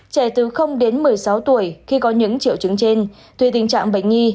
trẻ từ đến một mươi sáu tuổi khi có những triệu chứng trên tùy tình trạng bệnh nhi